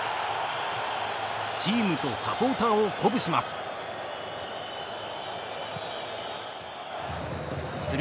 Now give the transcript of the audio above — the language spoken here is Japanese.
チームとサポーターを鼓舞します。